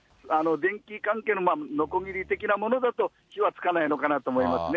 電気関係の、のこぎり的なものだと火はつかないのかなと思いますね。